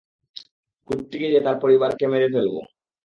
কুট্টিকে দিয়ে তার পরিবারকে মেরে ফেলব।